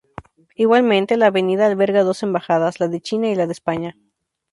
Igualmente, la avenida alberga dos embajadas: la de China y la de España.